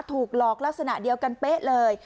ถูกหลอกลักษณะเดียวกันเป๊ะเลย